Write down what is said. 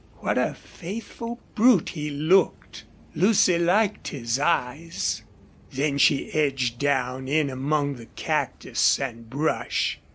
What a faithful brute he looked! Lucy liked his eyes. Then she edged down in among the cactus and brush.